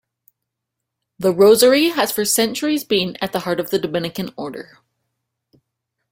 The Rosary has for centuries been at the heart of the Dominican Order.